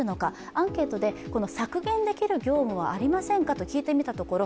アンケートで削減できる業務はありませんかと聞いてみたところ